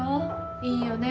いいよね